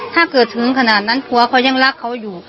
ถ้าเกิดถึงขนาดนั้นผัวเขายังรักเขาอยู่